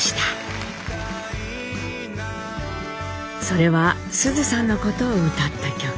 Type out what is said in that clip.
それは須壽さんのことを歌った曲。